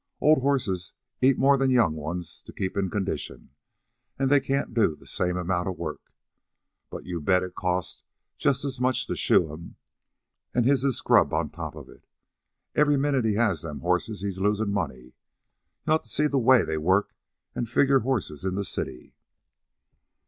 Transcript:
Old horses eat more 'n young ones to keep in condition an' they can't do the same amount of work. But you bet it costs just as much to shoe them. An' his is scrub on top of it. Every minute he has them horses he's losin' money. You oughta see the way they work an' figure horses in the city."